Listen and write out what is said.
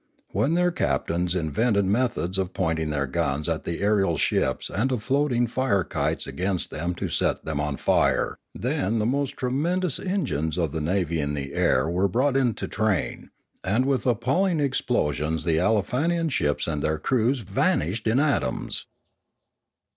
And when their captains invented methods of pointing their guns at the aerial ships add of floating fire kites against them to set them on fire, then the most tremendous engines of the navy in the air were brought into train; and with appalling explosions the Aleofanian ships and their crews vanished in atoms.